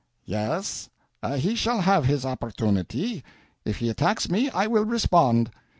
"Yes, he shall have his opportunity. If he attacks me I will respond."